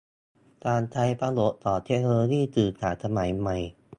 การใช้ประโยชน์ของเทคโนโลยีสื่อสารสมัยใหม่